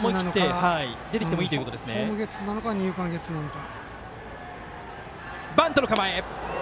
ホームゲッツーなのか二遊間ゲッツーなのか。